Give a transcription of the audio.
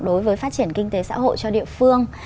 đối với phát triển kinh tế xã hội cho địa phương